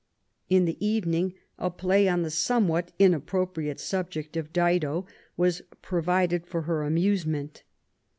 In the evening a play, on the somewhat inappropriate subject of " Dido,*' was provided for her amusement.